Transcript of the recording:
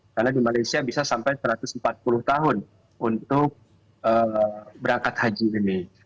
karena di malaysia bisa sampai satu ratus empat puluh tahun untuk berangkat haji ini